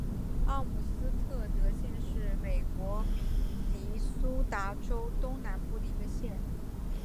奥姆斯特德县是美国明尼苏达州东南部的一个县。